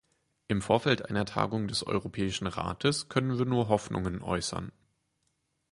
Im Vorfeld einer Tagung des Europäischen Rates können wir nur Hoffnungen äußern.